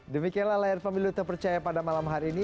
demikianlah layar pemilu terpercaya pada malam hari ini